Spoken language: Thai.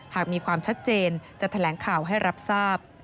หากมีความชัดเจนจะแถลงข่าวให้รับทราบ